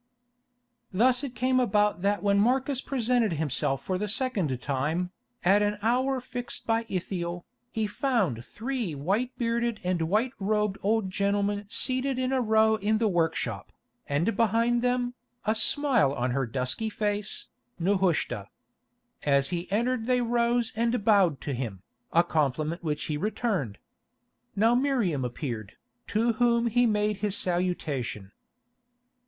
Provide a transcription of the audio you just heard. Thus it came about that when Marcus presented himself for the second time, at an hour fixed by Ithiel, he found three white bearded and white robed old gentlemen seated in a row in the workshop, and behind them, a smile on her dusky face, Nehushta. As he entered they rose and bowed to him, a compliment which he returned. Now Miriam appeared, to whom he made his salutation.